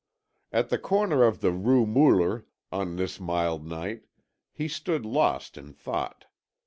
At the corner of the Rue Muller, on this mild night, he stood lost in thought.